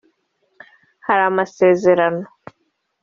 hari amasezerano